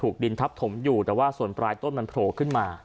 ดินทับถมอยู่แต่ว่าส่วนปลายต้นมันโผล่ขึ้นมา